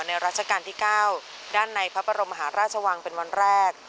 รัชกาลที่๙ด้านในพระบรมหาราชวังเป็นวันแรก